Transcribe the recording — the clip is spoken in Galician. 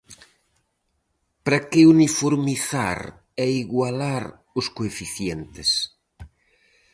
¿Para que uniformizar e igualar os coeficientes?